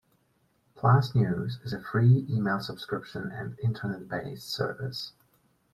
PlusNews is a free email subscription and internet-based service.